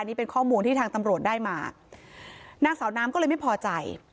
นี่เป็นข้อมูลที่ทางตำรวจได้มานางสาวน้ำก็เลยไม่พอใจ